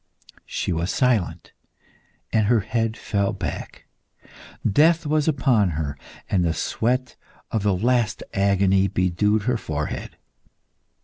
She was silent, and her head fell back. Death was upon her, and the sweat of the last agony bedewed her forehead.